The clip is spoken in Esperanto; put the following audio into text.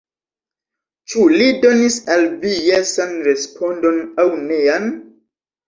Ĉu li donis al vi jesan respondon aŭ nean?